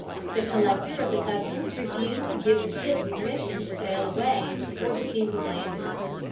The collector of the customs refused to give the ships permission to sail away before the tea was landed.